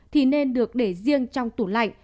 thì nên được để riêng trong tủ lạnh